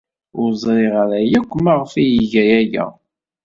Ur ẓriɣ ara akk maɣef ay iga aya.